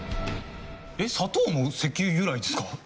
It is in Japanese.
えっ砂糖も石油由来ですか？